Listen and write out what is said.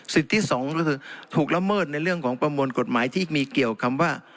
ที่สองก็คือถูกละเมิดในเรื่องของประมวลกฎหมายที่มีเกี่ยวคำว่า